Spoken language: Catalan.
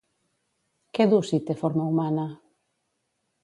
Què du, si té forma humana?